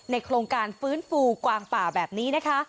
โครงการฟื้นฟูกวางป่าแบบนี้นะคะ